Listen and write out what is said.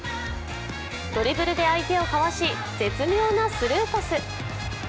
ドリブルで相手を交わし絶妙なスルーパス。